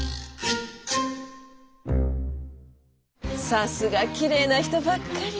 さすがきれいな人ばっかり。